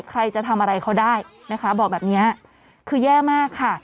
ใครจะทำอะไรเขาได้นะคะบอกแบบนี้คือแย่มากค่ะ